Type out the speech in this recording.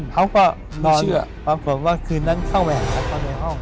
เขาก็นอนปรากฏว่าคืนนั้นเข้าแหวนเข้าในห้อง